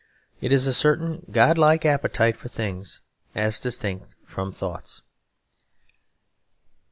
It is a certain godlike appetite for things, as distinct from thoughts.